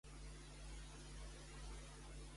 Com la va catalogar Jàmblic?